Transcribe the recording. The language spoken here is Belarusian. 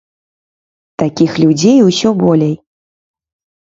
Такіх людзей усё болей.